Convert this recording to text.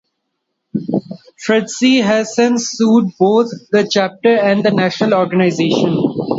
Fritzie has since sued both the chapter and the national organization.